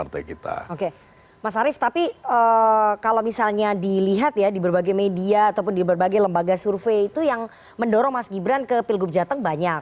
mas arief tapi kalau misalnya dilihat ya di berbagai media ataupun di berbagai lembaga survei itu yang mendorong mas gibran ke pilgub jateng banyak